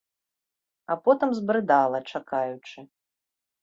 А потым збрыдала, чакаючы.